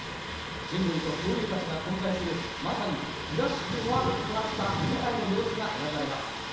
人類と恐竜たちが混在するまさにジュラシック・ワールドとなった世界の様子が描かれます。